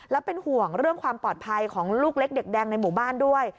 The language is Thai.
และเป็นห่วงเรื่องความปลอดภัยของลูกเล็กเด็กแดงในหมู่บ้านด้วย